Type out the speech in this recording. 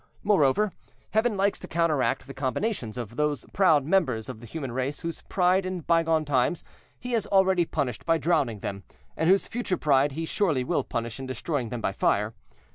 Moreover, Heaven likes to counteract the combinations of those proud members of the human race whose pride in by gone times He has already punished by drowning them, and whose future pride He surely will punish in destroying them by fire.